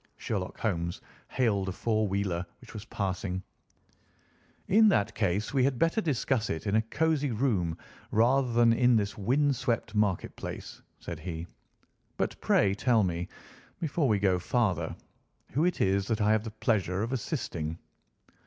Sherlock Holmes hailed a four wheeler which was passing. "In that case we had better discuss it in a cosy room rather than in this wind swept market place," said he. "But pray tell me, before we go farther, who it is that I have the pleasure of assisting."